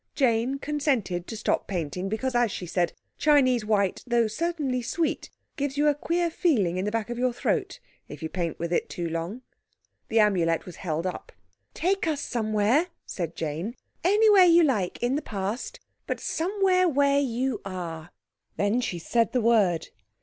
Jane consented to stop painting because, as she said, Chinese white, though certainly sweet, gives you a queer feeling in the back of the throat if you paint with it too long. The Amulet was held up. "Take us somewhere," said Jane, "anywhere you like in the Past—but somewhere where you are." Then she said the word.